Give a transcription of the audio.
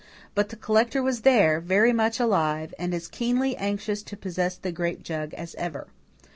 But the collector was there, very much alive, and as keenly anxious to possess the grape jug as ever.